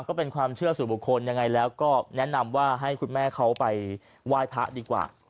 ก็เป็นความเชื่อสู่บุคคลยังไงแล้วก็แนะนำว่าให้คุณแม่เขาไปไหว้พระดีกว่า